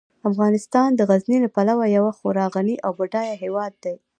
افغانستان د غزني له پلوه یو خورا غني او بډایه هیواد دی.